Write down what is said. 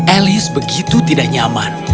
elis begitu tidak nyaman